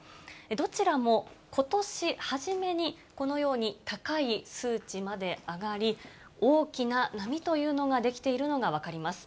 どちらも、ことし初めに、このように高い数値まで上がり、大きな波というのが出来ているのが分かります。